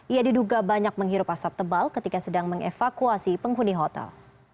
ia diduga banyak menghirup asap tebal ketika sedang mengevakuasi penghuni hotel